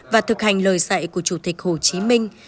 và thực hành lời dạy của chủ tịch hồ chí minh